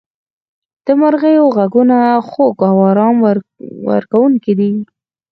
• د مرغیو ږغونه خوږ او آرام ورکوونکي دي.